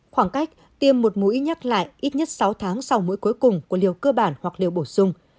khoảng cách tiêm một mũi nhắc lại ít nhất sáu tháng sau mũi cuối cùng của liều cơ bản hoặc liều bổ sung